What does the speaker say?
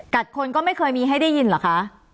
คนก็ไม่เคยมีให้ได้ยินเหรอคะ